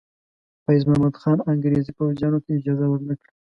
فیض محمد خان انګریزي پوځیانو ته اجازه ور نه کړه.